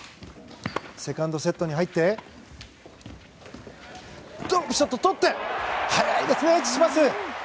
セカンドセットに入ってドロップショットをとって速いですね、チチパス！